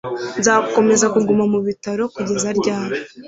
nzakomeza kuguma mu bitaro kugeza ryari